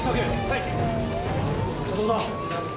はい！